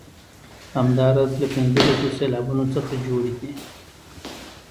همداراز له پنځلسو سېلابونو څخه جوړې دي.